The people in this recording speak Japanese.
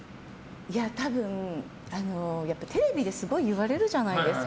多分テレビですごい言われるじゃないですか。